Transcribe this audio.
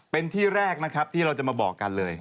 เป็นที่แรกนะครับที่เราจะมาบอกกันเลย